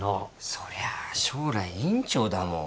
そりゃあ将来院長だもん。